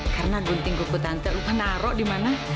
karena gunting kuku tante lupa naro dimana